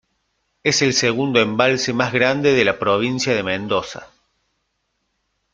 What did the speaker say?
Es el segundo embalse más grande de la provincia de Mendoza.